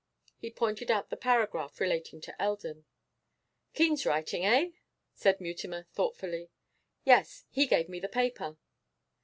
He pointed out the paragraph relating to Eldon. 'Keene's writing, eh?' said Mutimer thoughtfully. 'Yes, he gave me the paper.